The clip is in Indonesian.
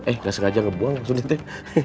eh nggak sengaja ngebuang maksudnya teh